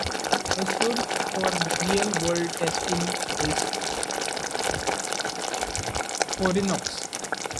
A source for real-world testing is Phoronix.